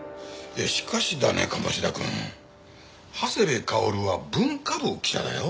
しかしだね鴨志田くん長谷部薫は文化部記者だよ。